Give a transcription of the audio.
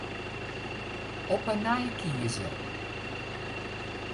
Op 'e nij kieze.